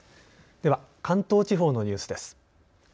では、関東地方のニュースです。